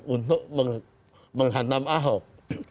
untuk menghantam ahok